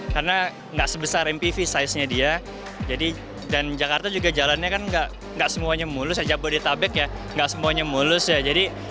karena enggak sebesar mpv size nya dia dan jakarta juga jalannya kan enggak semuanya mulus aja body tubback ya enggak semuanya mulus ya